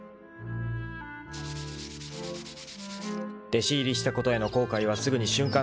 ［弟子入りしたことへの後悔はすぐに瞬間